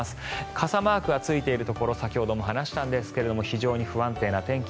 傘マークがついているところ先ほども話したんですが非常に不安定な天気。